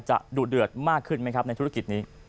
ดุเดือดมากขึ้นไหมครับในธุรกิจนี้